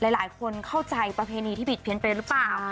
หลายคนเข้าใจประเพณีที่บิดเพี้ยนไปหรือเปล่า